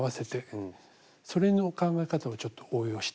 それの考え方をちょっと応用してみました。